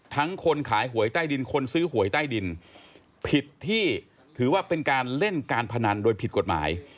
คนขายหวยใต้ดินคนซื้อหวยใต้ดินผิดที่ถือว่าเป็นการเล่นการพนันโดยผิดกฎหมาย